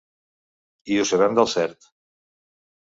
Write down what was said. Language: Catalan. I ho sabem del cert.